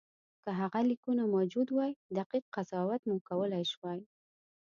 که هغه لیکونه موجود وای دقیق قضاوت مو کولای شوای.